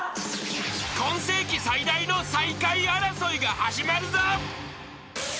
［今世紀最大の最下位争いが始まるぞ］